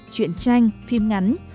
chuyện tranh phim ngắn